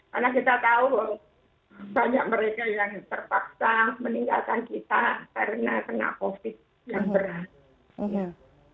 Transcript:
karena kita tahu banyak mereka yang terpaksa meninggalkan kita karena covid yang berat